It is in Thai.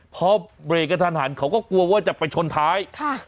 พอเบรกกันทันหันเขาก็กลัวว่าจะไปชนท้ายค่ะ